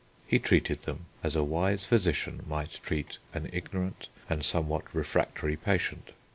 He treated them as a wise physician might treat an ignorant and somewhat refractory patient.